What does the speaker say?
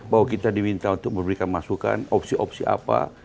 bahwa kita diminta untuk memberikan masukan opsi opsi apa